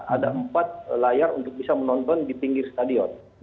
ada empat layar untuk bisa menonton di pinggir stadion